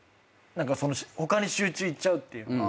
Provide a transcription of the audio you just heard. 他に集中いっちゃうっていうのが。